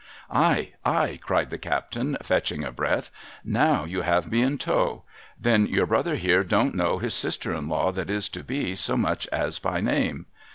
'Ay, ay !' cried the captain, fetching a breath. ^ Now you have me in tow. Then your brother here don't know his sister in law that is to be so much as by name